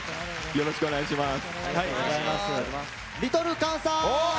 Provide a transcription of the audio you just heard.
よろしくお願いします。